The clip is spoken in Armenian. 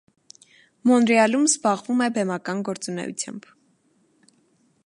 Մոնրեալում զբաղվում է բեմական գործունեությամբ։